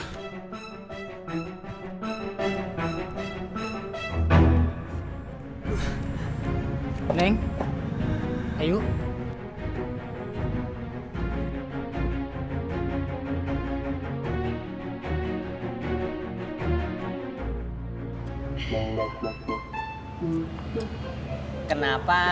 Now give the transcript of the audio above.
emang gak kita kasih dekorasi aja pak